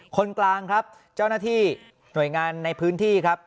คนกลางครับเจ้าหน้าที่หน่วยงานในพื้นที่ครับ